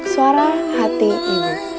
suara hati ibu